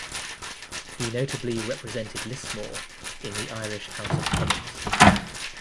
He notably represented Lismore in the Irish House of Commons.